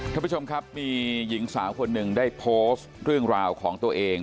ท่านผู้ชมครับมีหญิงสาวคนหนึ่งได้โพสต์เรื่องราวของตัวเอง